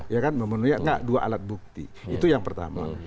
ya kan memenuhi dua alat bukti itu yang pertama